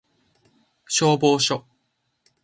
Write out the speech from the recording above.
消防署